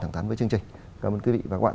thẳng thắn với chương trình cảm ơn quý vị và các bạn